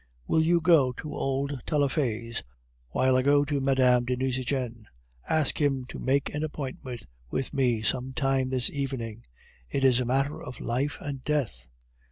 Will you go to old Taillefer's while I go to Mme. de Nucingen? Ask him to make an appointment with me some time this evening; it is a matter of life and death."